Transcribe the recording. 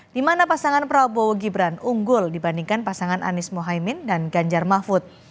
di mana pasangan prabowo gibran unggul dibandingkan pasangan anies mohaimin dan ganjar mahfud